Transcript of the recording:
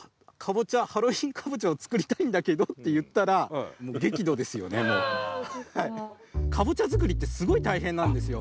ハロウィーンかぼちゃを作りたいんだけど」って言ったらかぼちゃ作りってすごい大変なんですよ。